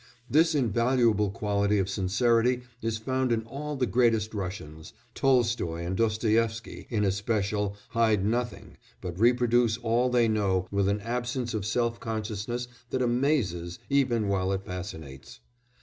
This invaluable quality of sincerity is found in all the greatest Russians; Tolstoy and Dostoïevsky, in especial, hide nothing, but reproduce all they know with an absence of self consciousness that amazes even while it fascinates.